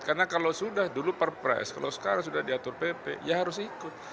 karena kalau sudah dulu perpres kalau sekarang sudah diatur pp ya harus ikut